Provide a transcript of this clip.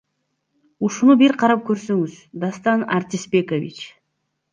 Ушуну бир карап көрсөңүз Дастан Артисбекович.